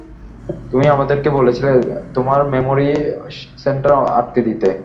তুমি আমাদেরকে বলেছিলে তোমার মেমোরি সেন্টার আটকে দিতে।